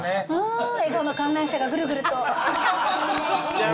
笑顔の観覧車がぐるぐると。